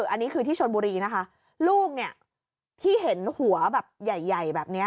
อันนี้คือที่ชนบุรีนะคะลูกเนี่ยที่เห็นหัวแบบใหญ่ใหญ่แบบนี้